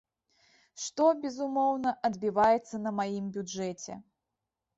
Што, безумоўна, адбіваецца на маім бюджэце.